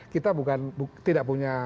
kita bukan tidak punya